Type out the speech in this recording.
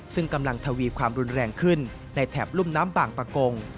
ซึ่งกำลังทวีความรุนแรงขึ้นในแถบรุ่มน้ำบางประกง